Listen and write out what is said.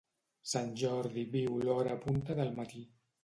Sant Jordi viu l'hora punta del matí.